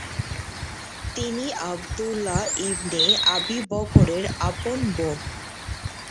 তিনি আবদুল্লাহ ইবনে আবি বকরের আপন বোন।